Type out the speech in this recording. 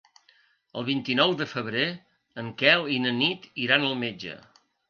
El vint-i-nou de febrer en Quel i na Nit iran al metge.